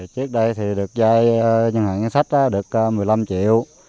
trước đây thì được giai dố ngân hàng chính sách được một mươi năm triệu